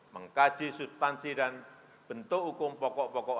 mengkaji substansi dan bentuk hukum pokok pokok